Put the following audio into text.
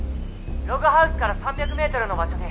「ログハウスから３００メートルの場所に」